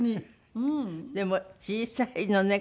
でも小さいのね。